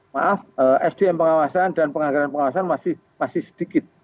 maaf sdm pengawasan dan penganggaran pengawasan masih sedikit